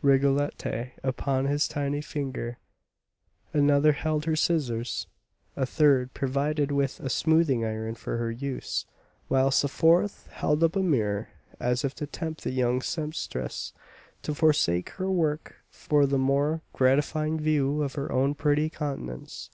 Rigolette upon his tiny finger; another held her scissors; a third was provided with a smoothing iron for her use; whilst a fourth held up a mirror, as if to tempt the young sempstress to forsake her work for the more gratifying view of her own pretty countenance.